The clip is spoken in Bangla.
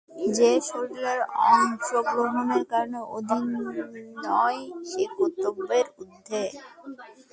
যে শরীর ও অহংকারের অধীন নয়, সেই কর্তব্যের ঊর্ধ্বে।